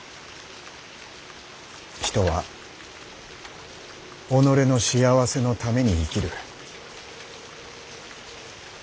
人は己の幸せのために生きる。